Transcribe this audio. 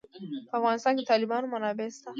په افغانستان کې د تالابونه منابع شته.